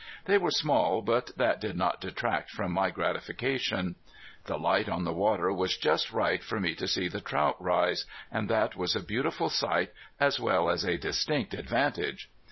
They were small, but that did not detract from my gratification. The light on the water was just right for me to see the trout rise, and that was a beautiful sight as well as a distinct advantage.